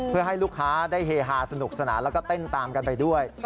เพื่อให้ลูกค้าได้เฮฮาสนุกสนานแล้วก็เต้นตามกันไปด้วย